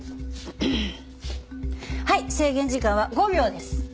はい制限時間は５秒です。